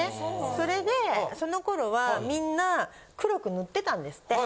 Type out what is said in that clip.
それでその頃はみんな黒く塗ってたんですって。